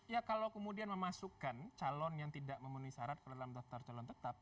ya kalau kemudian memasukkan calon yang tidak memenuhi syarat ke dalam daftar calon tetap